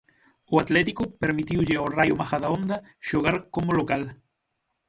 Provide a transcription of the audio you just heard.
O Atlético permitiulle ao Raio Majadahonda xogar como local.